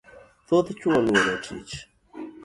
Thoth chuo oluoro tich